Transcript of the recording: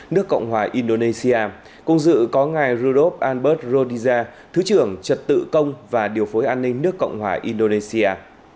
nước cộng hòa indonesia cùng dự có ngài rudolf albert rodiza thứ trưởng trật tự công và điều phối an ninh nước cộng hòa indonesia